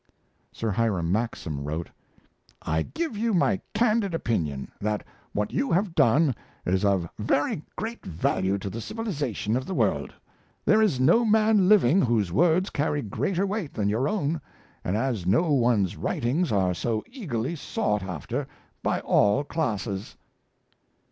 Sir Hiram Maxim wrote: "I give you my candid opinion that what you have done is of very great value to the civilization of the world. There is no man living whose words carry greater weight than your own, as no one's writings are so eagerly sought after by all classes."